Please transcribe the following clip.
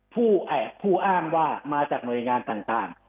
ผู้อ้างว่ามาจากหน่วยงานต่าง